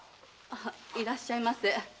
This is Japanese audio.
いらっしゃいませ。